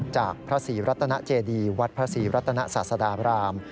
จากพระศรีรัตนเจดีวัดพระศรีรัตนศาสดาบราม